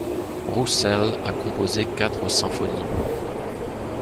Roussel a composé quatre symphonies.